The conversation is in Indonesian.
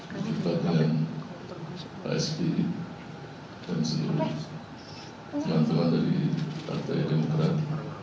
bagi bagian psb dan seluruh teman teman dari partai demokrat